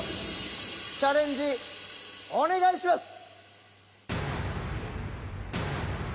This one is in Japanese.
チャレンジお願いします！